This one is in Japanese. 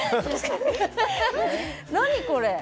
何これ？